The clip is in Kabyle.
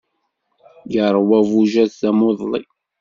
Iṛwa ubujad tamuḍli.